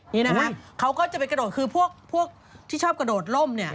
นี่นะฮะเขาก็จะไปกระโดดคือพวกที่ชอบกระโดดล่มเนี่ย